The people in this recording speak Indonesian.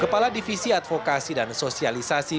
kepala divisi advokasi dan sosialisasi